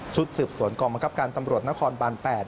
ชุดสืบสวนกรมกับการตำรวจนครบาน๘